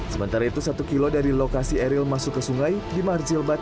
sementara itu satu kilo dari lokasi eril masuk ke sungai di marjilbat